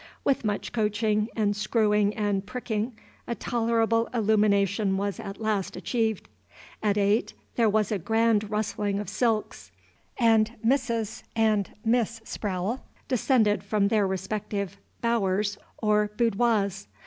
With much coaxing and screwing and pricking, a tolerable illumination was at last achieved. At eight there was a grand rustling of silks, and Mrs. and Miss Sprowle descended from their respective bowers or boudoirs.